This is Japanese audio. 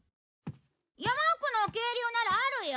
山奥の渓流ならあるよ。